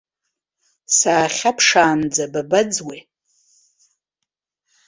Саахьаԥшаанӡа бабаӡуеи?